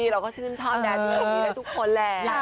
เราก็ชื่นชาติ